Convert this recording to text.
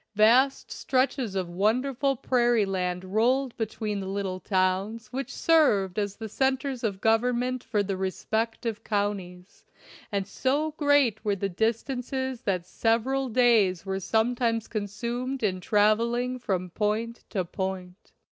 Vast stretches of wonderful prairie land rolled between the little towns which served as the centers of government for the respective counties, and so great were the distances that sev eral days were sometimes consumed in traveling from point to point.